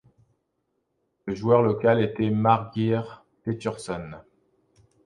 Le joueur local était Margeir Pétursson.